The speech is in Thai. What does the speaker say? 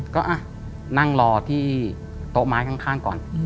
ก็นั่งรอที่โต๊ะไม้ข้างก่อน